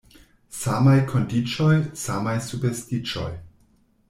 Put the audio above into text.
Samaj kondiĉoj, samaj superstiĉoj.